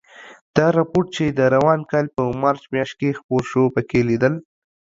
دا رپوټ چې د روان کال په مارچ میاشت کې خپور شو، پکې لیدل